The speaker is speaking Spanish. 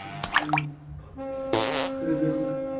En el transcurso de la guerra fue herido tres veces.